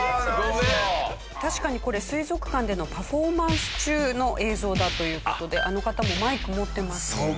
確かにこれ水族館でのパフォーマンス中の映像だという事であの方もマイク持ってますよね。